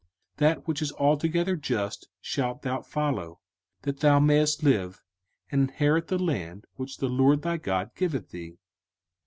05:016:020 That which is altogether just shalt thou follow, that thou mayest live, and inherit the land which the LORD thy God giveth thee.